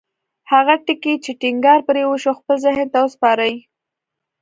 هغه ټکي چې ټينګار پرې وشو خپل ذهن ته وسپارئ.